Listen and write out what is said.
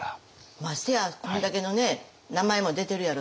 ましてやこれだけのね名前も出てるやろしね。